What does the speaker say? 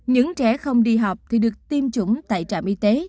những trẻ không đi học thì được tiêm chủng tại trạm y tế